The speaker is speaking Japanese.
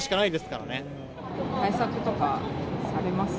対策とかされます？